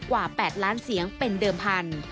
กว่า๘ล้านเสียงเป็นเดิมพันธุ์